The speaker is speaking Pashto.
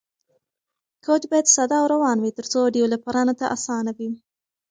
کوډ باید ساده او روان وي ترڅو ډیولپرانو ته اسانه وي.